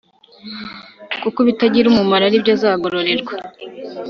kuko ibitagira umumaro ari byo azagororerwa